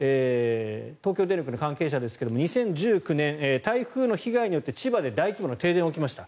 東京電力の関係者ですが２０１９年、台風の被害によって千葉で大規模な停電が起きました。